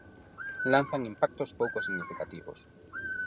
Lanzan impactos pouco significativos.